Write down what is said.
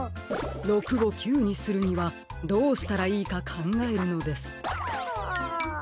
６を９にするにはどうしたらいいかかんがえるのです。は。